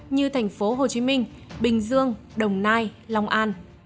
như thành phố hồ chí minh bình dương đồng nai long an